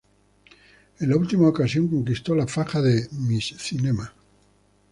En la última ocasión conquistó la faja de ""Miss Cinema"".